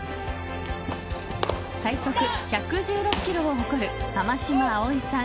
最速１１６キロを誇る濱嶋葵さん